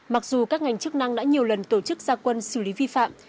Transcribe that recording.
mặc dù các ngành chức năng đã nhiều lần tổ chức gia quân xử lý vi phạm